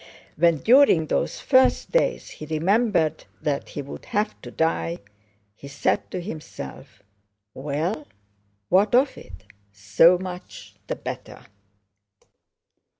When during those first days he remembered that he would have to die, he said to himself: "Well, what of it? So much the better!"